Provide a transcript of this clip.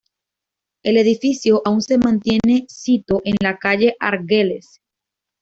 El edificio aún se mantiene sito en la calle Argüelles.